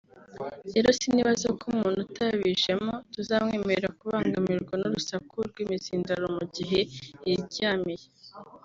rero sinibaza ko umuntu utabijemo tuzamwemerera kubangamirwa nurusaku rw’imizindaro mugihe yiryamiye